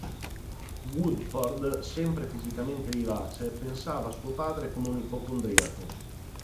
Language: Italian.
Woodford, sempre fisicamente vivace, pensava a suo padre come un ipocondriaco.